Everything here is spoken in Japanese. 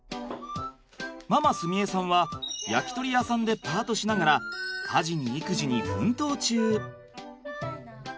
ママ澄栄さんは焼き鳥屋さんでパートしながら家事に育児に奮闘中。